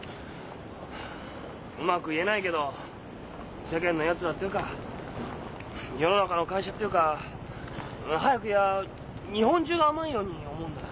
うまく言えないけど「世間のやつら」っていうか「世の中の会社」っていうか早く言やあ日本中が甘いように思うんだ。